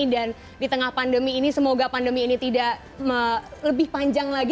dan di tengah pandemi ini semoga pandemi ini tidak lebih panjang lagi